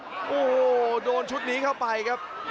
โอ้โหโดนชุดนี้เข้าไปครับ